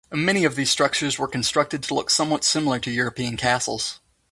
Many of these structures were constructed to look somewhat similar to European castles.